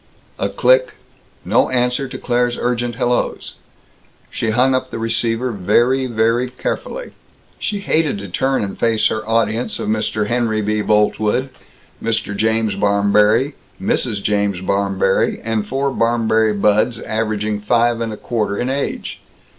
A click. No answer to Claire's urgent hellos. She hung up the receiver very, very carefully. She hated to turn and face her audience of Mr. Henry B. Boltwood, Mr. James Barmberry, Mrs. James Barmberry, and four Barmberry buds averaging five and a quarter in age.